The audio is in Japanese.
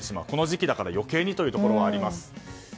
この時期だから余計にというところもあります。